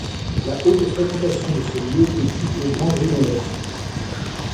La haute fréquentation de ce lieu est due au grand rhinolophe.